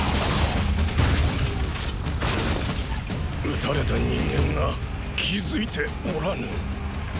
撃たれた人間が気付いておらぬ。